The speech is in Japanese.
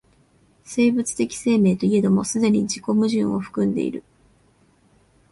生物的生命といえども既に自己矛盾を含んでいる。